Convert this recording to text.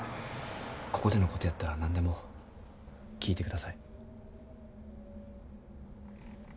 ここでのことやったらなんでも聞いて下さい。